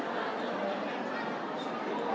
สวัสดีครับ